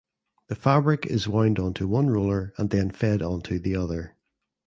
The fabric is wound onto one roller and then fed onto the other.